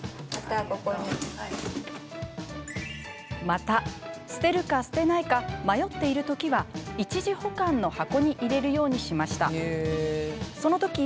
また、捨てるか捨てないか迷っている時は一時保管の箱に入れるようにしました。